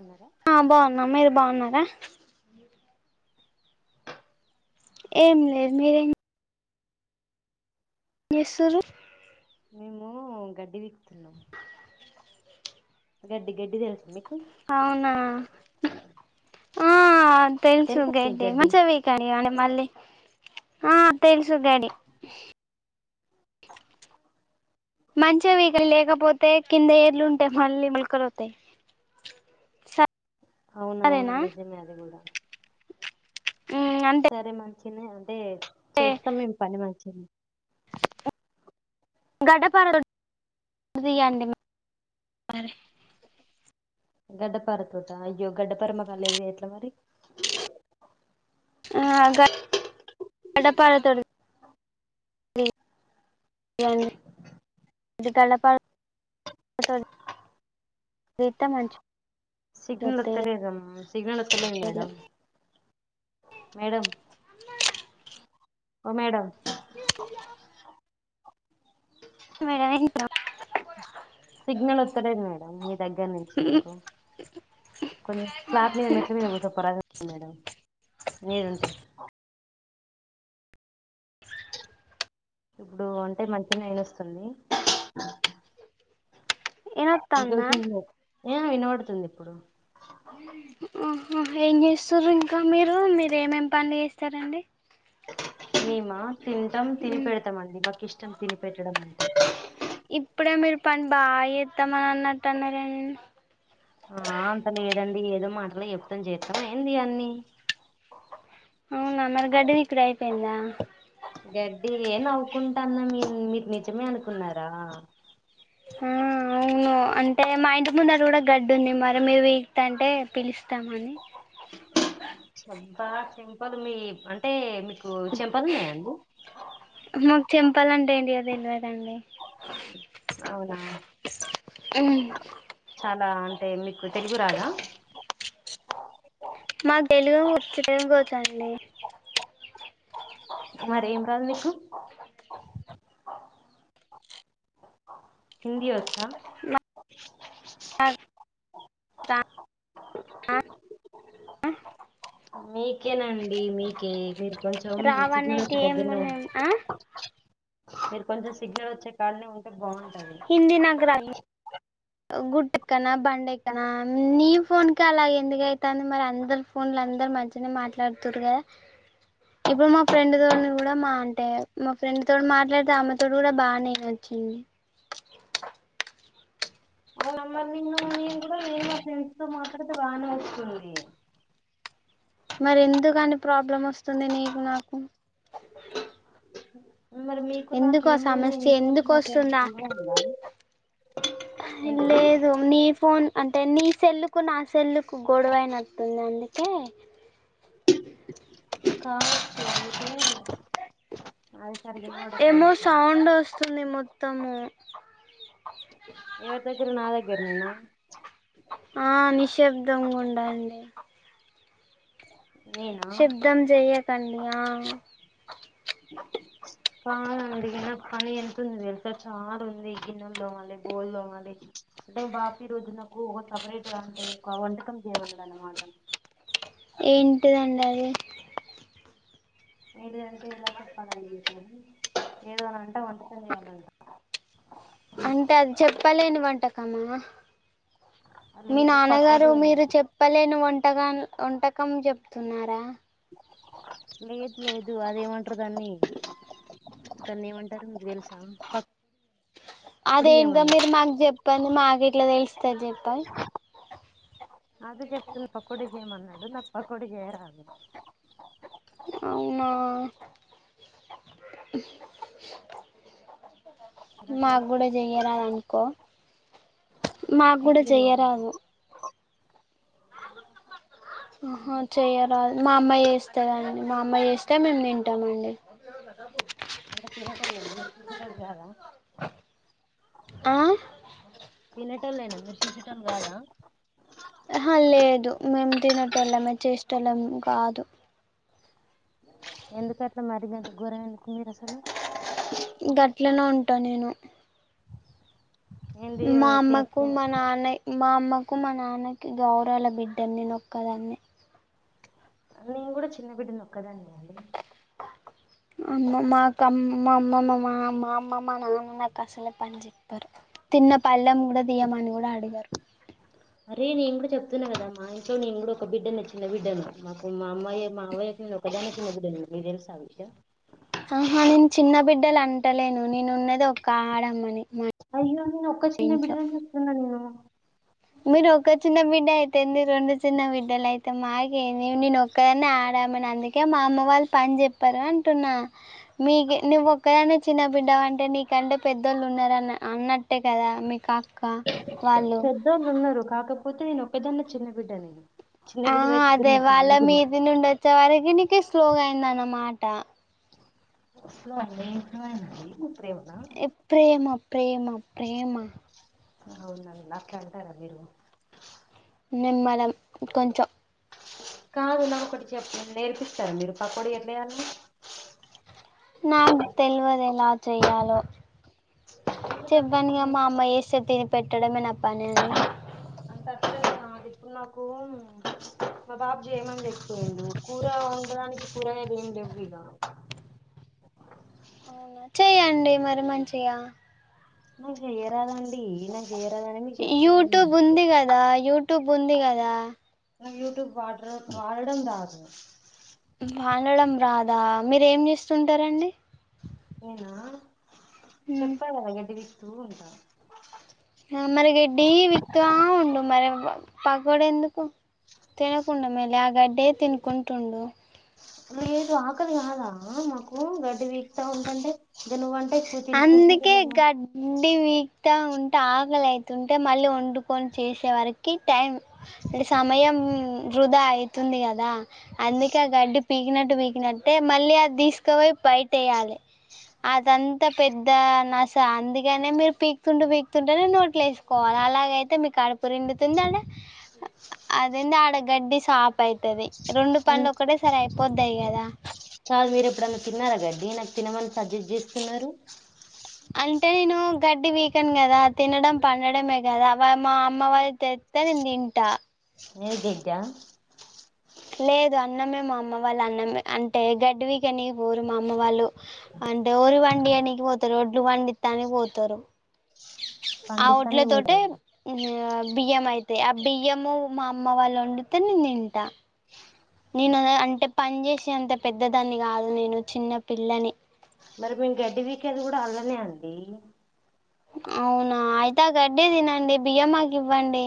ఉన్నారా ఆ బాగున్నా మీరు బాగున్నాం ఏం లే మీరే చేసురు మేము గడ్డి వికుతున్నా గడ్డి గడ్డి తెలుస మీకు అవునా ఆ తెలుసు తెలుసా మీకు గడ్డి మంచిగా పీక కాండి మళ్ళీ ఆ తెలుసు గడి మంచిగ వీకలి లేకపోతే కింద ఏర్లుంటే మళ్ళీ ములకలవుతాయి అవునవును నిజమే అది కూడా ఉమ్ అంటే సరే మంచినే అంటే చేస్తాం మేము పని మంచిది గడ్డపారలు తీయండి మరి గడ్డపారతోట అయ్యో గడ్డపర మకాలేదు ఎట్ల మరి ఆ గడ్డపారతోని అదికల్ ప గీత మంచి సిగ్నల్ వత్తలేదమ్ సిగ్నల్ త్తలేదు ఏర్లు మేడం డం ఓ మేడం మేడం సిగ్నల్ వత్తలేేదు మేడం మీ దగ్గర నుంచి మాకు కొంచం స్లాబ్ మీద మెట్ల మీద కూర్సొపో మేడం నీడు ఉంటే ఇప్పుడు అంటే మంచి న నేను వస్తుంది ఇదా వత్త అన్నా ఏ వినబడుతుంది ఇప్పుడు ఉహు ఏం చేసురు ఇంకా మీరు మీరు ఏమేమి పనులు చేస్తారండి మేమా తింటాం తిని పెడతామ అండి మాకు ఇష్టం తిని పెట్టడం అండి ఇప్పుడే మీరు పని బాగా చేద్దామని అన్నట్టు అన్నారేన్ ఆ అంత లేదండి ఏదో మాటల చెప్తాం చేస్తమా ఏంది అన్నీ అవునా మరి గడ్డి పీకుడ్ అయిపోయిందా? గడ్డి ఏ నవ్వుకుంటన్నం మీ మీర్ నిజమే అనుకున్నరా? ఆ అవును అంటే మా ఇంటి ముందట గుడా గడ్డుంది మరి మీరు పీకుత అంటే పిలుస్ ద్దామని అబ్బా చెంపలు మీ అంటే మీకు చెంపలున్నాయా అండి ఇగ తెల్వదండి. అవునా మ్ దా అంటే మీకు తెలుగు రాదా? మాకు తెలుగే వచ్చు [unintelligible] మరేం రాదు నీకు? హిందీ వచ్చా? మీకేనండి మీకే మీరు కొంచం రావనేటి సిగ్నలకు దగ్గర్లో ఏమున్నాయి ఆ మీరు కొంచం సిగ్నల్ వచ్చే కాడ్నే ఉంటే బాగుం హింది నాక్ రాదు. గుట్టెక్కనా బండేక్కనా నీ ఫోన్కే అలా ఎందుకు అయితాంది మరి అందర్ ఫోన్ల అందర్ మంచిగనే మాట్లాడ్తుంరు కదా ఇప్పుడు మా ఫ్రెండ్తోని గుడా మా అంటే మా ఫ్రెండ్తో మాట్లాడితే ఆమె తోటి గుడా బాగానే ఇనచ్ చ్చింది. అవునమ్మా నిన్ను నేన్ గుడా నేను మా ఫ్రెండ్స్తో మాట్లాడితే బానే వచ్చింది. మరెందుకని ప్రాబ్లం వస్తుంది నీకు నాకు మరి మీకు నాకు ఎందుకు ఆ ఏమైంది నీ సమస్య ఫోన్కి ఎందుకు నాకు ఏమన్న వస్తుందా గొడవైందా లేదు నీ ఫోన్ అంటే నీ సెల్లుకు నా సెల్లుకు గొడవైనట్టుంది అందుకే కావచ్చు అయితే ఏమో సౌండొస్తుంది మొత్తము. ఎవరి దగ్గర నా దగ్గరనేనా ఆ నిశబ్దం గుం డండి. నేనా శబ్ధం చెయ్యకండి ఆ అందుకే నాక్ పని ఎంతుంది తెల్సా చాలుంది. గిన్నెల్ తోమాలె బోల్ తోమాలె అంటే బా ప్రతి రోజునకు ఒక సపరేట్ అంటే ఒక వంటకం చేయమన్నడ్ అన్నమాట. ఏంటిదండది? ఏంటిదంటే ఎలా చెప్పాలండి కానీ ఏడువాలంట వంట చేయాలంట. అంటే అద్ చెప్పలేని వంటకమా? మీ లేదు నాన్నగారు పకోడి మీరు చెప్పలేన్ వం టకా వంటకం చెప్తున్నారా? లేదు లేదు అదేమంటరు దాన్ని దాన్నేమంటరు మీకు తెల్సా అదేందో మీర్ మాక్ చెప్పంది మాకెట్ల తెల్స్ ఎపై అదే చెప్తుంది పకోడి చేయమన్నాడు నాక్ పకోడీ చేయరాదు. అవునా ఎలా చేయాలి మాక్ గుడా చెయ్యరాద్ అనుకో మాక్ మీకు గుడా కూడా చేయరాదు చెయ్యరాదు. ఆహా చెయ్యరా మా అమ్మా చేస్తేదండి మా అమ్మా చేస్తే మేము తింటామ అండి అందరు తినేటోళ్ళే గని చేసేటోళ్లు కదా ఆ తినేట్లోనే మీరు చేసేటోలుకదా ఆ లేదు మేము తినేటోలమే చేస్తోలం కాదు ఎందుకు అట్లా మరిగంత ఘరం ఎందుకు మీరు అసలు ఇంకట్లనే ఉంటా నేను ఏంది మా అమ్మకు తెప్పే మా నన్నాయి మా అమ్మకు మా నాన్నకు గౌరాల బిడ్డను నేనుొక్కదాన్నే నేను కూడా చిన్న బిడ్డ నొక్కదంన్నే అమ్మ మాకమ్ మా అమ్మమ్మ మా మా అమ్మమ్ మా నాన్న నాకు అసలే పని చెప్పారు తిన్న పల్లెం కూడా తీయమని కూడా అడగారు అరే నేను కూడా చెప్తున్నా కదా మా ఇంట్లో నేను కూడా ఒక బిడ్డనే చిన్న బిడ్డనే మాకు మా అమ్మాయి మావయ్ నేనొక్కదానినే చిన్నబిడ్డని నీకు తెల్సా ఆ విష్యం బిడ్డాలంటలేను నేను ఉన్నది ఒక ఆడమ్మనే అయ్యో నేను ఒక్క చిన్న బిడ్డనని చెప్తున్నాను నేను మీరూ ఒక్క చిన్న బిడ్డ అయితేది మీ రెండు చిన్న బిడ్డల యితమ్గే నేను ఒక్కదన్నీ ఆడ మని అందుకే మా అమ్మ వాళ్ళు పన్ చెప్పారు అంటున్నా మీకు నువ్వు ఒక్కదన్వే చిన్న బిడ్డవ అంటే నీకంటే పెద్దోళ్ళు ఉన్నారన్న అన్నట్టే కదా మీకు ఆక్క వాళ్ళు పెద్దోళ్ళు ఉన్నారు కాకపోతే నేను ఓకాదనే చిన్నబిడ్డ నీ ఆ అదే వాళ్ళ మీది నుండి వచ్చే వరకి నీకు స్లోగా అయిందనమాట స్లో అండి ఎమ్ స్లోఅండి ఎ ప్రేమా ప్రేమా ప్రేమా అవునండి అట్లన్తరండీ మీరు నిమ్మళం కొంచం చె నేర్పిస్తారు మీరు పకోడీ ఎట్లయాలనో నాకటేల్వదు ఎలా చెయాలో ఎందుకంటే ఇప్పుడు చెప్పంగా నేను మా అమ్మా చేస్తే తిని పెట్టడమే పని అని అంత అ నాది డు నాకు మా బాబు చేయమని చెప్పిండు కూర వండడానికి కూరనేది ఏం చెవిలా అవునా చెయ్యండి మరి మంచిగా మంచిగా చేయరాదండి ఇలా యూట్యూబ్ ఉంది కదా యూట్యూబ్ ఉంది కదా యూట్యూబ్ వాడ్రా వాడడం రాదు వాడడం రాదా మీర ఏంచేస్తుంటారండి నేనా చెప్పాకదా గట్టిగస్తూంటన్ మరి పకోడీ ఎందుకు తినకుండా మళ్ళ ఆ గడ్డే తినుకుంటుండు లేదు ఆకలి కాదా మాకు గడ్డి పికుతా ఉంటంటే ఇగ నువ్వంటే ఎక్కువ అందుకే తినుకుంటున్నావా గడ్డిపి త ఉంటే ఆకలి అవుతుంటే మళ్ళీ వండుకొని చేసేవరకి టైం అంటే సమయం వృధా అఐతుంది కదా అందుకే ఆ గడ్డి పీకినట్టు పీకినట్టే మళ్ళీ అది తీసుకు కాపోయి బైటయాలె అద్ అదంత పెద్ద నస అందుకనే మీరు పీకుతుంటే పీకుతుంటేనే నోట్లు వేసుకోవాలి అలాగైతే అయితే మీకు ఆడపురి ఎండుతుంది ఆడ అదింది ఆడ గడ్డి సాప్ అవుతుది రెండు పనులు ఒక్కటే సరే అయిపోద్దాయి కదా చదు మీరు ఎప్పుడన్నా తిన్నారా గడ్డి నాకు తినమని సజెస్ట్ చేస్తున్నారు అంటే నేను గడ్డి వీకను కదా తినడం పండడమే కదా మా అమ్మవారి న నేన్ తింట నిర్విద్యా లేదు అన్నమే మా అమ్మ వాళ్ళు అన్నమే అంటే గడ్డి పీకని పోరు మా అమ్మ వాళ్ళు అంటే ఊరి వండి అనికి పోతారు ఒడ్లు వండిత్తానికి పోతారు ఆ ఒడ్ల పండిస్తానే తొటే పోతారు బియ్యం అయితే ఆ బియ్యము మా అమ్మ వాళ్ళు వండితే నేను తింటా నేను అంటే పని చేసి అంత పెద్ద దాన్ని కాదు నేను చిన్న పిల్ల మరి మేము గడ్డి వికేది కూడా అల్లనే అండి అవునా అయితే ఆ గడ్డే తినండి బియ్యం మాకు ఇవ్వండి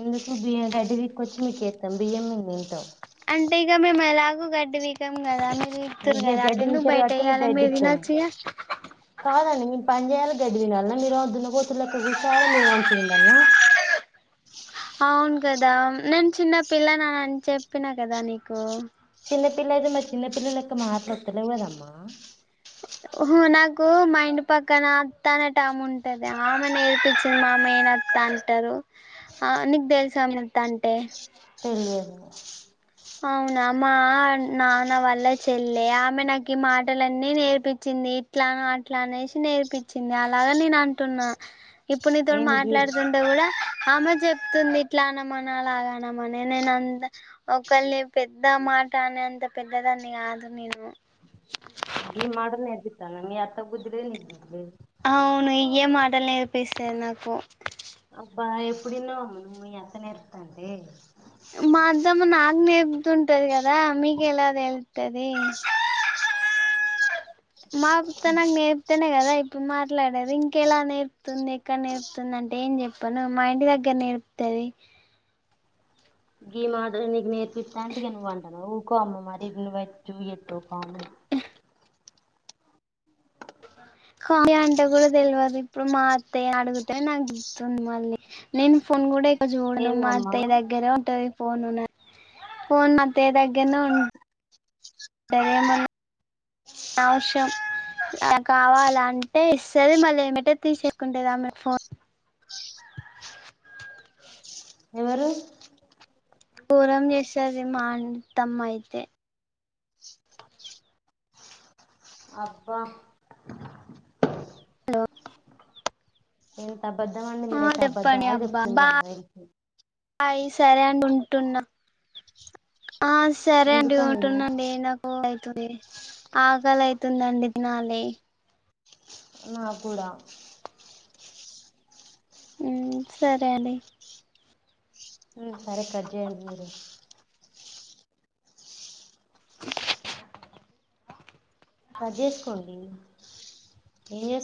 ఎందుకు బియ్యం గడ్డి పీక్కోచ్చి మీకేత్తాం బియం అంటే ఇగ మేము ఎలాగో గడ్డివీకం కదా వీకుతురు కదా గడ్డి అదెందుకు పీకుతారు బయట కాబట్టి మేము ఎయ్యాలి మీరు గడ్డిస్తాము తినొచ్చుగా కాదండి మేము పనిజేయాల కదని న మీరు అదున్న పోతులెక్క గుసా మీ అస ఉందన్న అవును కదా నేను చిన్న పిల్లనని అని చెప్పిన కదా నీకు చిన్నపిల్ల అయితే మారి చిన్నపిల్లలకి మాట్ల వొత్తలేవు కదమ్మా నాకు మా ఇంటి పక్కన అత్త అనే టైమ్ ఉంటది ఆమె నేర్పించింది మామ త అంటారు ఆ నీగు దేల్సమంత అంటే పెళ్లి చేస్ అవునామ్మా నాన్న వల్ల చెల్లి ఆమె నాకు ఈ మాటలన్నీ నేర్పించింది ఇట్లా అట్లా అనేసి నేర్పించింది అలాగ నేను అంటున్నా ఇప్పుడు నీతో ఏంది గీ మాట్లాడుతుంటే కూడా ఆమ చెప్తుంది ఇట్లా అనమని అలాగనమని నేను అంతా ఒ ఒకల్ని పెద్ద మాట అని అంత పెద్దదాన్ని కాదు నేను గీ మాటలు నేర్పిత్తన్న మీ అత్త బుద్దిలే నీ అవును ఇయే మాటలు నేర్పిస్తాది నాకు ఇప్పుడ ఇన్నే వుండు మీ అత్త నేర్పితందే మా అద్దమ్మ నాకు నేపుతుంటది కదా ఆ మీకెలా తెలుతది మాకు తనకు నేర్తేనే గ మాట్లాడేది ఇంకెలా నేర్పుతుంది ఎక్కడ నేర్పుతుంది అంటే ఏం చెప్పాను మా ఇంటి దగ్గర నేర్పు తది ఈ మా నీ నేర్పిత్త అంటంటిగే నువ్వు అంటన్నవ్ ఊకోమ్మ మరి నువ్వు ఎట్టు అమ్మ కావ్య అంటే కూడా తెల్వదు ఇప్పుడు మా అత్తయ్య అడుగుతే నాకు తితుంది మళ్ళీ నేను ఫోన్ కూడా చూడను మా ఏందమ్మా అత్తయ్య దగ్గరే ఉంటది ఫోన్ ఉన్నా ఫోన్ మా అత్తయ్య దగ్గరనే ఉన్ ఏమన్ ఔష్ కావల అంటే ఇస్తది మళ్ళి ఎమ్మటే తీసేసుకుంటది ఆమె ఫోన్ ఎవరు దూరం చేస్తాది మా అత్తమ్మ అయితే అబ్బా హలో ఎంత అబద్ధమండి మీరు ఆ ఎంత చెప్పండి అబద్దాలు అబ్బా చెప్తున్నారు బాయ్ సరే అండి ఉంటున్నా ఆ సరేనండి ఎందుకండి ఉంటున్నడి నకు అక్కలైతుందండి తినాలి నా కూడా హ్మ్ సరేండి ఉ సరే కట్ చేయండి మీరే కజెస్కోండి ఏంచే